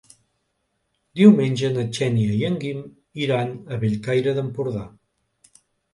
Diumenge na Xènia i en Guim iran a Bellcaire d'Empordà.